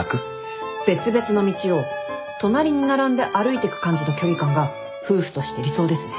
別々の道を隣に並んで歩いてく感じの距離感が夫婦として理想ですね。